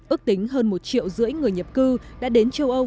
ước tính hơn một triệu rưỡi người nhập cư đã đến châu âu